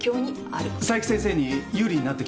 佐伯先生に有利になってきてますよね？